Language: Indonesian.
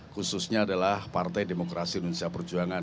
khususnya adalah partai demokrasi indonesia perjuangan